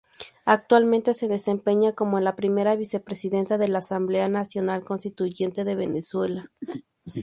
Actualmente se desempeña como la primera vicepresidenta de la Asamblea Nacional Constituyente de Venezuela.